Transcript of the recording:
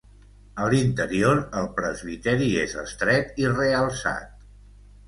A l'interior, el presbiteri és estret i realçat.